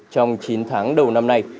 trong chín tháng đầu năm nay